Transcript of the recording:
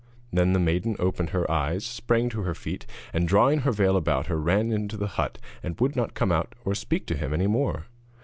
Then the maiden opened her eyes, sprang to her feet, and drawing her veil about her, ran into the hut, and would not come out or speak to him any more.